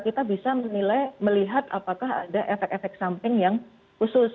kita bisa menilai melihat apakah ada efek efek samping yang khusus